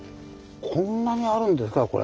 こんなにあるんですかこれ。